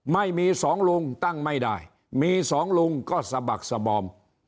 ไม่มีสองลุงตั้งไม่ได้มีสองลุงก็สะบักสบอม